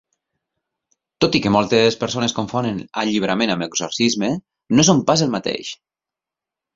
Tot i que moltes persones confonen alliberament amb exorcisme, no són pas el mateix.